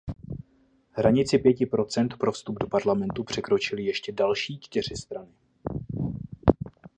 Hranici pěti procent pro vstup do parlamentu překročily ještě další čtyři strany.